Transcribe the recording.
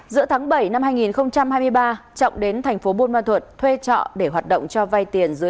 giữa tháng bảy năm hai nghìn hai mươi ba trọng đến tp buôn ma thuật thuê trọ để hoạt động cho vay tiền